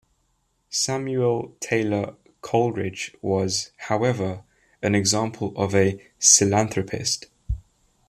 Samuel Taylor Coleridge was, however, an example of a psilanthropist.